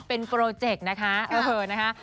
เป็นโปรเจกต์นะคะเออนะคะ